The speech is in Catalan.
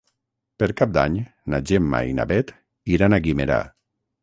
Per Cap d'Any na Gemma i na Bet iran a Guimerà.